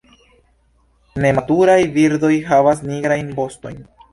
Nematuraj birdoj havas nigrajn vostojn.